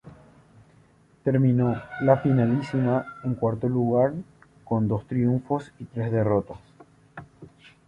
Terminó la Finalísima en el cuarto lugar con dos triunfos y tres derrotas.